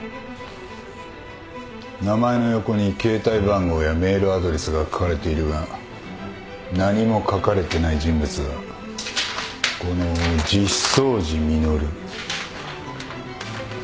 名前の横に携帯番号やメールアドレスが書かれているが何も書かれてない人物がこの実相寺実。